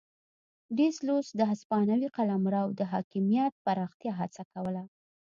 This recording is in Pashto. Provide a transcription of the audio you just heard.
ډي سلوس د هسپانوي قلمرو د حاکمیت پراختیا هڅه کوله.